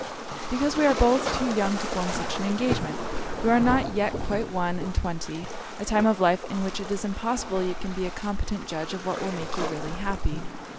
'Because we are both too young to form such an engagement. You are not yet quite one and twenty; a time of life in which it is impossible you can be a competent judge of what will make you really happy.